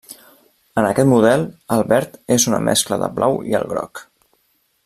En aquest model, el verd és una mescla de blau i el groc.